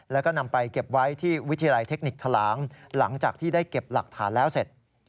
แล้วก็นำไปเก็บไว้ที่วิทยาลัยเทคนิคทะลางหลังจากที่ได้เก็บหลักฐานแล้วเสร็จ